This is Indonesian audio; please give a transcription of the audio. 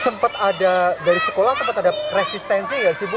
sempat ada dari sekolah sempat ada resistensi nggak sih bu